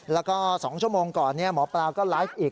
แล้วก็๒ชั่วโมงก่อนหมอปลาก็ไลฟ์อีก